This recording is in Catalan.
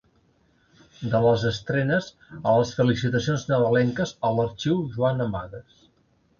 De les estrenes a les felicitacions nadalenques a l'Arxiu Joan Amades.